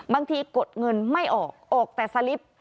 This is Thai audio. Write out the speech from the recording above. กดเงินไม่ออกออกแต่สลิป